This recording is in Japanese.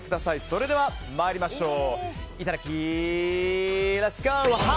それでは参りましょう。